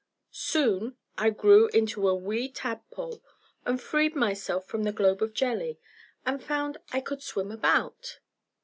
Soon I grew into a wee tadpole, and freed myself from the globe of jelly, and found I could swim about.